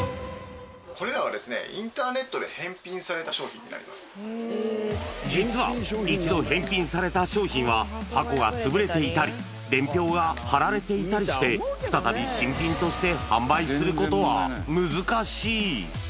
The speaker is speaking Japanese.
これらはですね、インターネ実は、一度返品された商品は、箱が潰れていたり、伝票が貼られていたりして、再び新品として販売することは難しい。